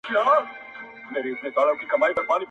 مرغان هغه سره الوزي، چي بڼي ئې سره ورته وي.